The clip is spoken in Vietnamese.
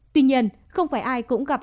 tuy nhiên không phải ai cũng gặp